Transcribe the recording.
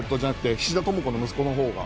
菱田朋子の息子のほうが。